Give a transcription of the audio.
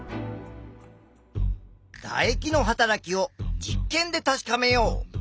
だ液のはたらきを実験で確かめよう！